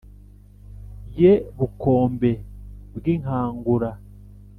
ye bukombe bwi nkangura